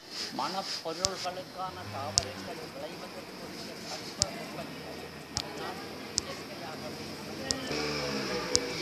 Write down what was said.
மணப் பொருள்களுக்கான தாவரங்கள் விளைவதற்குரிய தட்ப வெப்பநிலை நம் நாட்டில் இயற்கையாகவே அமைந்துள்ளது.